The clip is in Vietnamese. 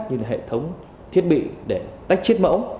như là hệ thống thiết bị để tách chiết mẫu